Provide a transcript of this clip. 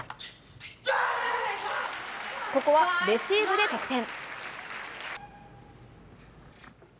ここはレシーブで得点。